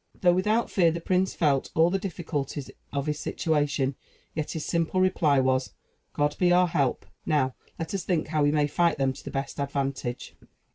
Though without fear, the prince felt all the difficulties of his situation; yet his simple reply was "God be our help! now let us think how we may fight them to the best advantage."